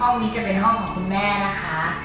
ห้องนี้จะเป็นห้องของคุณแม่นะคะ